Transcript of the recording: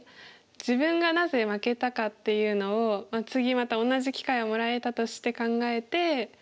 自分がなぜ負けたかっていうのを次また同じ機会をもらえたとして考えて。